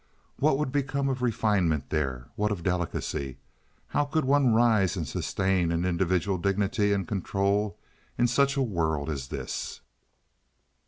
What would become of refinement there? What of delicacy? How could one rise and sustain an individual dignity and control in such a world as this?